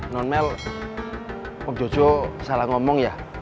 nonmel om jojo salah ngomong ya